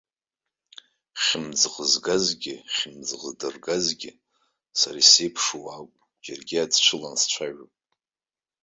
Хьымӡӷы згазгьы, ахьымӡӷ дзыргаӡгьы, сара исзеиԥшу уаауп, џьаргьы иадцәыланы сцәажәом.